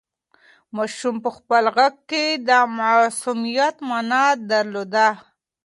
ماشوم په خپل غږ کې د معصومیت مانا درلوده.